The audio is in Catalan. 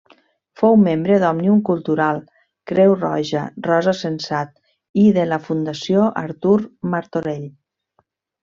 Fou membre d'Òmnium Cultural, Creu Roja, Rosa Sensat i de la Fundació Artur Martorell.